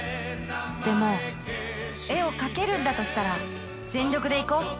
でも絵を描けるんだとしたら全力でいこう。